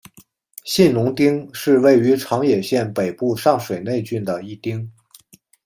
信浓町是位于长野县北部上水内郡的一町。